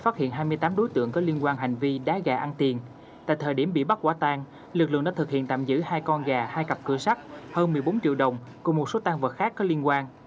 tại thời điểm bị bắt quả tang lực lượng đã thực hiện tạm giữ hai con gà hai cặp cửa sắt hơn một mươi bốn triệu đồng cùng một số tang vật khác có liên quan